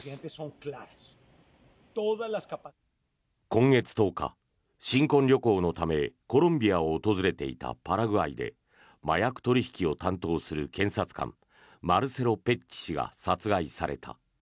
今月１０日、新婚旅行のためコロンビアを訪れていたパラグアイで麻薬取引を担当する検察官マルセロ・ペッチ氏が殺害された。